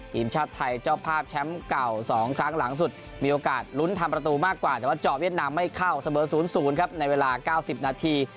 ทีมชาติไทยเจ้าภาพแชมป์เก่า๒ครั้งหลังสุดมีโอกาสลุ้นทำประตูมากกว่าแต่ว่าเจาะเวียดนามไม่เข้าเสมอ๐๐ครับในเวลา๙๐นาที